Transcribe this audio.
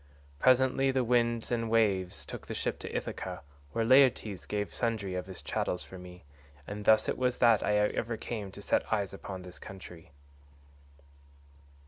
Presently the winds and waves took the ship to Ithaca, where Laertes gave sundry of his chattels for me, and thus it was that ever I came to set eyes upon this country."